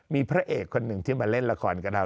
มีพระเอกคนหนึ่งที่มาเล่นละครกับเรา